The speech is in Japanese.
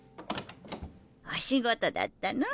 お仕事だったの？